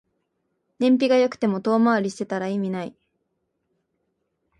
燃費が良くても遠回りしてたら意味ない